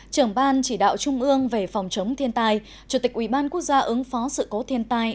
trưởng ban chỉ đạo trung ương về phòng chống thiên tai chủ tịch ủy ban quốc gia ứng phó sự cố thiên tai